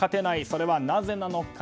それはなぜなのか。